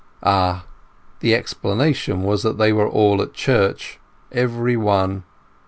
Ah—the explanation was that they were all at church, every one.